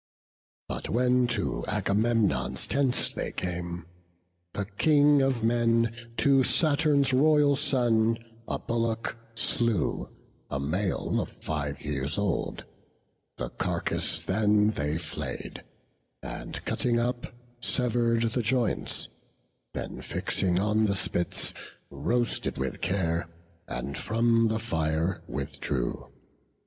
But when to Agamemnon's tents they came, The King of men to Saturn's royal son A bullock slew, a male of five years old; The carcase then they flay'd; and cutting up, Sever'd the joints; then fixing on the spits, Roasted with care, and from the fire withdrew.